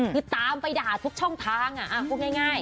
คือตามไปด่าทุกช่องทางพูดง่าย